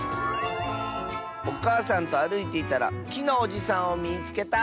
「おかあさんとあるいていたらきのおじさんをみつけた！」。